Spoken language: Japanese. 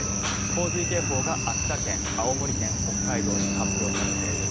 洪水警報が秋田県、青森県北海道に発表されている。